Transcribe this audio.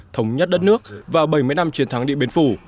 thống nhất đất nước và bảy mươi năm chiến thắng điện biên phủ